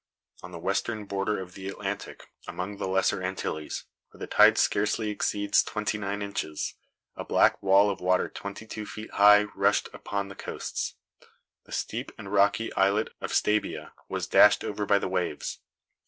On the western border of the Atlantic, among the lesser Antilles, where the tide scarcely exceeds twenty nine inches, a black wall of water twenty two feet high rushed upon the coasts. The steep and rocky islet of Stabia was dashed over by the waves.